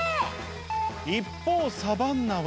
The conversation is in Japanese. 一方サバンナは。